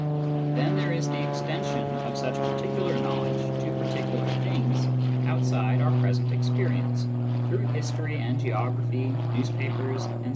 Then there is the extension of such particular knowledge to particular things outside our personal experience, through history and geography, newspapers, etc.